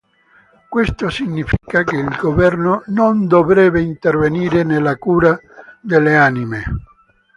Questo significa che il governo non dovrebbe intervenire nella cura delle anime.